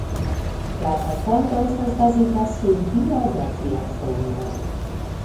La rakonto estas bazita sur biografia fono.